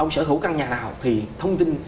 sở hữu căn nhà nào thì thông tin